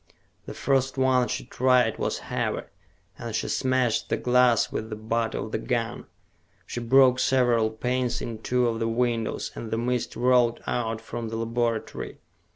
The first one she tried was heavy, and she smashed the glass with the butt of the gun. She broke several panes in two of the windows, and the mist rolled out from the laboratory.